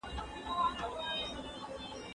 هغه مریضان چې تبه لري باید ډاکټر ته مراجعه وکړي.